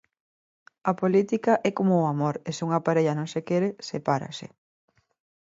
A política é como o amor e se unha parella non se quere, sepárase.